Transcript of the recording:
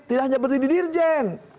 tidak hanya berdiri dirjen